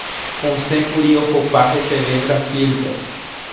osẽkuri ohopa heseve Brasil-pe.